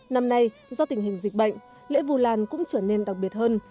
năm nay do tình hình dịch bệnh lễ vu lan cũng trở nên đặc biệt hơn